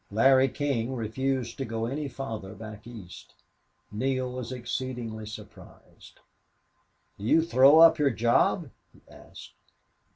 Larry King refused to go any farther back east. Neale was exceedingly surprised. "Do you throw up your job?" he asked.